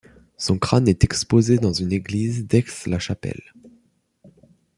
Son crâne est exposé dans une église d'Aix-la-Chapelle.